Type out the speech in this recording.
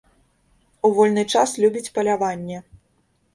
У вольны час любіць паляванне.